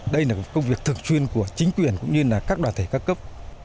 đây là công việc thường chuyên của chính quyền cũng như là các đoàn thể các cấp